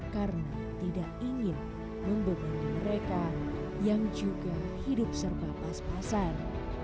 karena tidak ingin membebani mereka yang juga hidup serba pas pasan